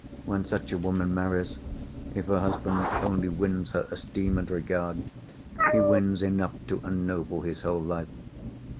When such a woman marries, if her husband only wins her esteem and regard, he wins enough to ennoble his whole life.